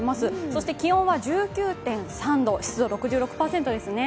そして気温は１９．３度湿度６６％ですね。